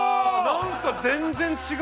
なんか全然違う！